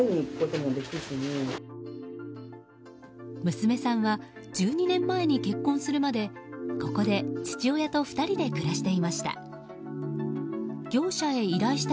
娘さんは１２年前に結婚するまでここで父親と２人で暮らしていました。